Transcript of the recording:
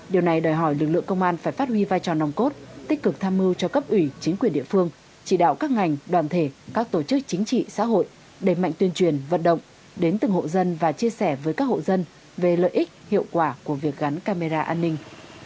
điều này đòi hỏi lực lượng công an phải phát huy vai trò nòng cốt tích cực tham mưu cho cấp ủy chính quyền địa phương chỉ đạo các ngành đoàn thể các tổ chức chính trị xã hội đẩy mạnh tuyên truyền vận động đến từng hộ dân và chia sẻ với các hộ dân về lợi ích hiệu quả của việc gắn camera an ninh